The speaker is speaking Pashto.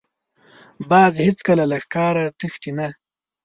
باز هېڅکله له ښکار تښتي نه